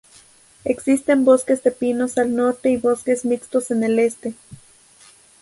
Existen bosques de pinos al norte y bosques mixtos en el este.